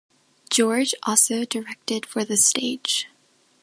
George also directed for the stage.